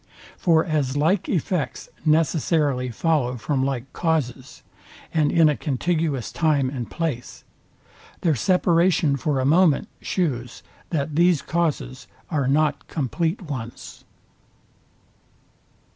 For as like effects necessarily follow from like causes, and in a contiguous time and place, their separation for a moment shews, that these causes are not compleat ones.